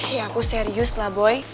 ya aku serius lah boy